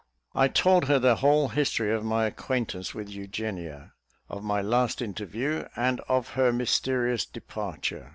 I told her the whole history of my acquaintance with Eugenia, of my last interview, and of her mysterious departure.